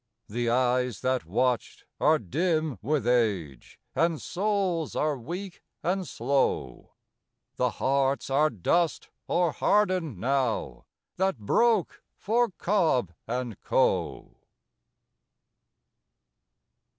The eyes that watched are dim with age, and souls are weak and slow, The hearts are dust or hardened now that broke for Cobb and Co.